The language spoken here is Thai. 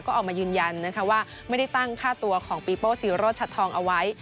ก็ออกมายืนยันนะคะว่าไม่ได้ตั้งค่าตัวของปีโป้ซีโรชัดทองเอาไว้